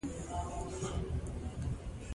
ګلاب د عشق نه ډک دی.